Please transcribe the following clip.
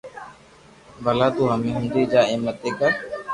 ڀلا تو ھمجي جا ايم متي ڪر